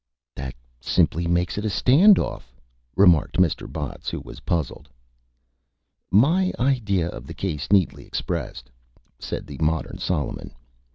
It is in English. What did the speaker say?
"That simply makes it a Stand Off," remarked Mr. Botts, who was puzzled. "My idea of the Case, neatly expressed," said the Modern Solomon.